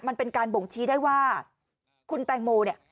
มันเป็นการบ่งชี้ได้ว่าคุณแตงโมเนี่ย